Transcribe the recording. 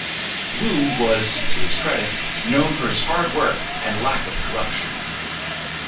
Wu was, to his credit, known for his hard work and lack of corruption.